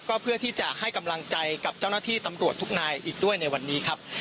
ก็เพื่อที่จะให้กำลังใจกับเจ้าหน้าที่ตำรวจทุกนายอีกด้วยในวันนี้ครับ